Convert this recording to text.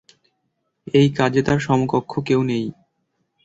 এই কাজে তার সমকক্ষ কেউ নেই।